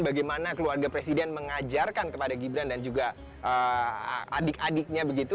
bagaimana keluarga presiden mengajarkan kepada gibran dan juga adik adiknya begitu